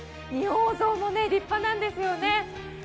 仁王像も立派なんですよね。